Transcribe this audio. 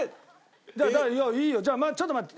いやいいよじゃあちょっと待って。